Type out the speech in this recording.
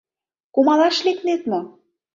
— Кумалаш лекнет мо?